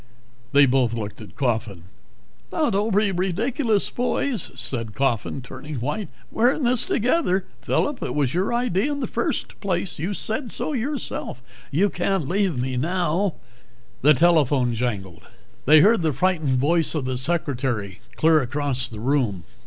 They both looked at Coffin. "Now don't be ridiculous, boys," said Coffin, turning white. "We're in this together. Phillip, it was your idea in the first place you said so yourself! You can't leave me now " The telephone jangled. They heard the frightened voice of the secretary clear across the room.